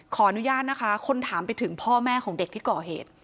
ขออนุญาตนะคะคนถามไปถึงพ่อแม่ของเด็กที่ก่อเหตุ